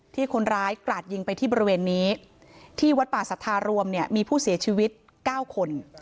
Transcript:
ที่คนร้ายกราดยิงไปที่บริเวณนี้ที่วัดป่าสัทธารวมเนี่ยมีผู้เสียชีวิต๙คน